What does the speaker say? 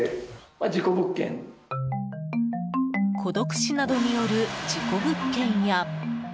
孤独死などによる事故物件や。